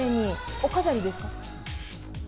お飾りですか？